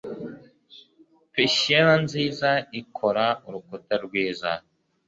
Peschiera nziza ikora urukuta rwiza